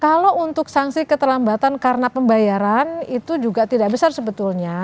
kalau untuk sanksi keterlambatan karena pembayaran itu juga tidak besar sebetulnya